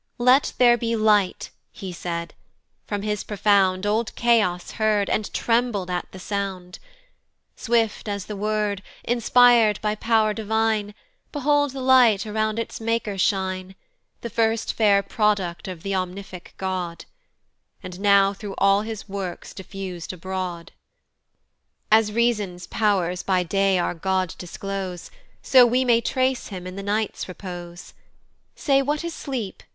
"Let there be light," he said: from his profound Old Chaos heard, and trembled at the sound: Swift as the word, inspir'd by pow'r divine, Behold the light around its Maker shine, The first fair product of th' omnific God, And now through all his works diffus'd abroad. As reason's pow'rs by day our God disclose, So we may trace him in the night's repose: Say what is sleep?